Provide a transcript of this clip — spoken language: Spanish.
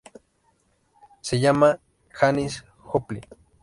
Se llama Janis Joplin".